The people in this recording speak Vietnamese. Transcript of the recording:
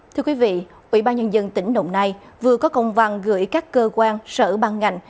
thưa quý vị ủy ban nhân dân tỉnh đồng nai vừa có công văn gửi các cơ quan sở ban ngành